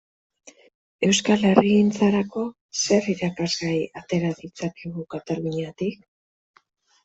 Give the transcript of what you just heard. Euskal herrigintzarako zer irakasgai atera ditzakegu Kataluniatik?